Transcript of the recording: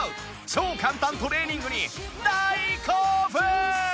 超簡単トレーニングに大興奮！